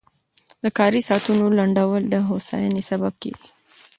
د کاري ساعتونو لنډول د هوساینې سبب کېږي.